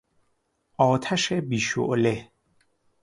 آتش بی شعله